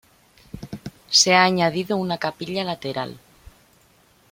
Se ha añadido una capilla lateral.